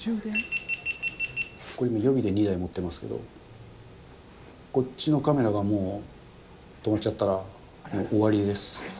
これ、予備で２台持ってますけど、こっちのカメラがもう止まっちゃったら、もう終わりです。